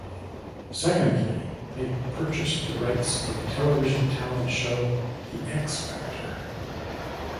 Secondly they purchased the rights of television talent show The X Factor.